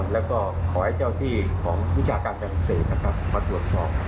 และก็ขอให้เจ้าที่ของวิจารณาการแสดงตรวจสอบ